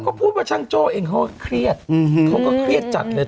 ก็พูดว่าช่างโจ้เองเขาก็เครียดเขาก็เครียดจัดเลย